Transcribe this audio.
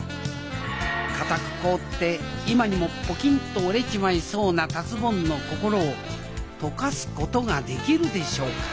硬く凍って今にもポキンと折れちまいそうな達ぼんの心をとかすことができるでしょうか